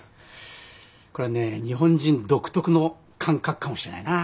これはね日本人独特の感覚かもしれないな。